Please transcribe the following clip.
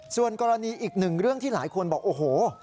ส่วนกรณีอีกหนึ่งเรื่องที่หลายคนบอกโอ้โห